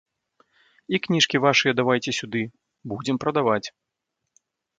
І кніжкі вашыя давайце сюды, будзем прадаваць.